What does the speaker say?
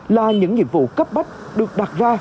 là những nhiệm vụ cấp bách được đặt ra